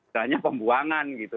hanya pembuangan gitu